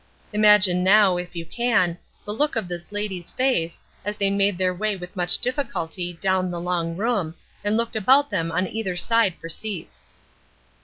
Imagine now, if you can, the look of this lady's face, as they made their way with much difficulty down the long room, and looked about them on either side for seats.